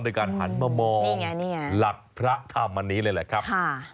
การหันมามองหลักพระธรรมอันนี้เลยแหละครับ